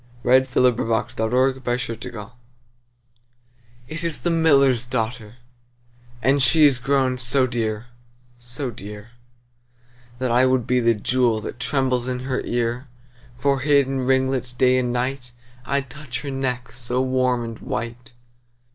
1809–1892 701. The Miller's Daughter IT is the miller's daughter, And she is grown so dear, so dear, That I would be the jewel That trembles in her ear: For hid in ringlets day and night, 5 I'd touch her neck so warm and white.